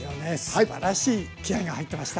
すばらしい気合いが入ってました。